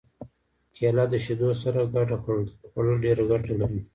کېله د شیدو سره ګډه خوړل ډېره ګټه لري.